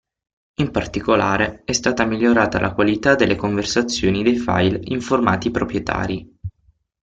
In particolare, è stata migliorata la qualità delle conversioni dei file in formati proprietari.